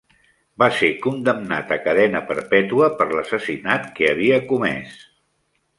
Va ser condemnat a cadena perpètua per l'assassinat que havia comès.